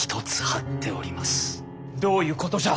どういうことじゃ。